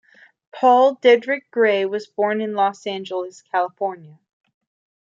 Paul Dedrick Gray was born in Los Angeles, California.